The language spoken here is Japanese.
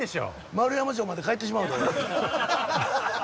円山町まで帰ってしまうで。